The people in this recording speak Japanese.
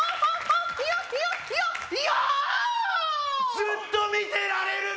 ずっと見てられるな！